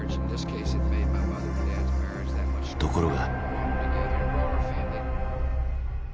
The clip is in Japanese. ところが。